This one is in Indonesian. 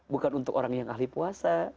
bukan untuk orang yang ahli puasa